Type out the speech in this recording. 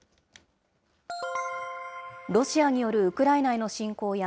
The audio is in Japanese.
ロシアによるウクライナへの侵攻や、